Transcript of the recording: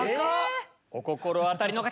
お心当たりの方！